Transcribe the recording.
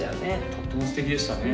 とっても素敵でしたね